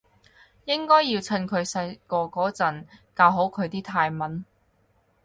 應該要趁佢細個嗰陣教好佢啲泰文